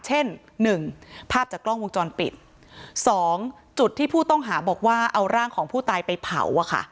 หนึ่งภาพจากกล้องวงจรปิดสองจุดที่ผู้ต้องหาบอกว่าเอาร่างของผู้ตายไปเผาอะค่ะ